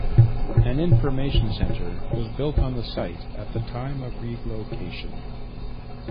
An information centre was built on the site at the time of relocation.